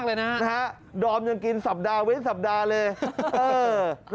เลยนะฮะดอมยังกินสัปดาห์เว้นสัปดาห์เลยเออ